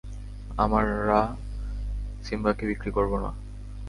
আমরা সিম্বাকে বিক্রি করব না।